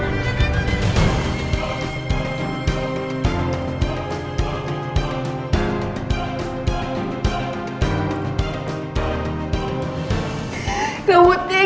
aku harap kamu mengerti